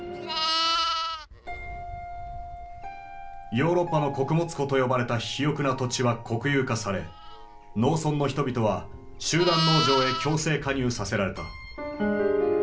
「ヨーロッパの穀物庫」と呼ばれた肥沃な土地は国有化され農村の人々は集団農場へ強制加入させられた。